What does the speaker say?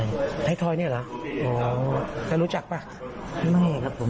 แย่งที่จอดกันเขาเลาะกันอะไรนี่มีไหม